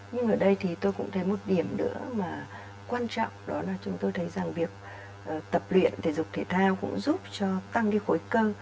nhưng ở đây thì tôi cũng thấy một điểm nữa mà quan trọng đó là chúng tôi thấy rằng việc tập luyện thể dục thể thao cũng giúp cho tăng cái khối cơ